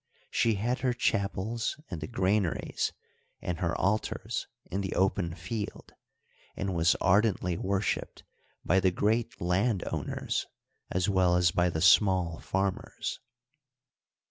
She had her chapels in the granaries and her altars in the open field, and was ardently worshiped by the great land owners as well as by the small farmers.